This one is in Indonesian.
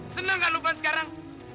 senang gak lu pan sekarang